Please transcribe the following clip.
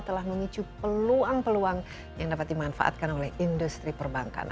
telah memicu peluang peluang yang dapat dimanfaatkan oleh industri perbankan